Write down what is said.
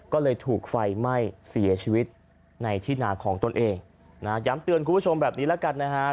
ก็เลยถูกไฟไหม้เสียชีวิตในที่นาของตนเองนะฮะย้ำเตือนคุณผู้ชมแบบนี้แล้วกันนะฮะ